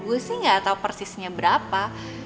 gue sih gak tau persisnya berapa